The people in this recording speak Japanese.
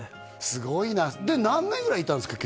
すごいなで何年ぐらいいたんですか？